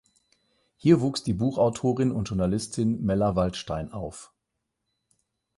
Hier wuchs die Buchautorin und Journalistin Mella Waldstein auf.